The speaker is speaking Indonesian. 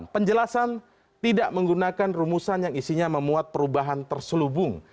penjelasan tidak menggunakan rumusan yang isinya memuat perubahan terselubung